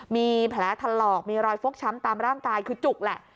มีแผลถลอกมีรอยฟกช้ำตามร่างกายคือจุกแหละ